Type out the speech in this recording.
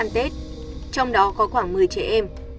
trong đó có khoảng một mươi trẻ em